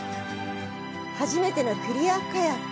初めてのクリア・カヤック。